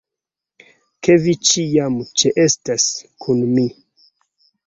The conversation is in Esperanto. ... ke vi ĉiam ĉeestas kun mi!